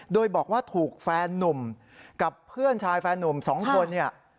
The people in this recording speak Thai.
โดยบอกว่าถูกแฟนนุ่มกับเพื่อนชายแฟนนุ่ม๒คนเนี่ย